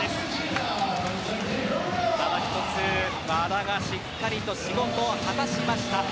ただ一つ、和田がしっかり仕事を果たしました。